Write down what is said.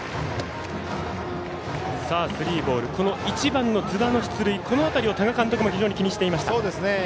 １番の津田の出塁、この辺りを多賀監督も気にしていました。